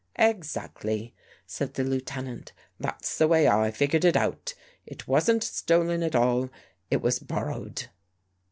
" Exactly," said the Lieutenant. " That's the way I figured it out. It wasn't stolen at all. It was borrowed."